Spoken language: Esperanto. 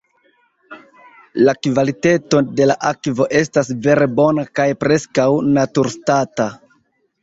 La kvaliteto de la akvo estas vere bona kaj preskaŭ naturstata.